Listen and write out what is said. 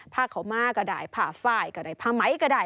ผ้าขาวม้าก็ได้ผ้าไฟก็ได้ผ้าไหมก็ได้